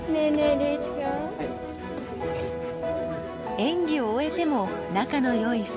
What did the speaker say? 演技を終えても仲のよい２人。